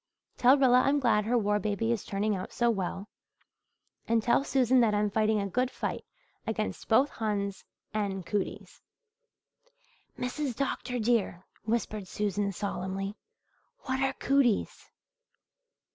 "Tell Rilla I'm glad her war baby is turning out so well, and tell Susan that I'm fighting a good fight against both Huns and cooties." "Mrs. Dr. dear," whispered Susan solemnly, "what are cooties?"